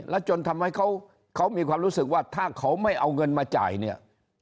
แล้วจนทำให้เขามีความรู้สึกว่าถ้าเขาไม่เอาเงินมาจ่ายเนี่ย